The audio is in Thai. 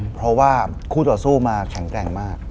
เพราะว่าคู่ต่อสู้มาแข็งแกร่งมาก